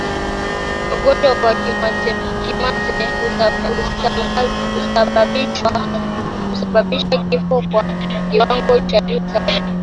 Ugonjwa wa kimeta husababisha vifo kwa kiwango cha juu sana